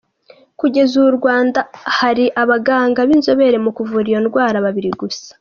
Kugeza ubu mu Rwanda hari abaganga b’inzobere mu kuvura iyo ndwara babiri gusa.